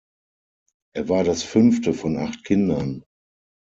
Er war das fünfte von acht Kindern.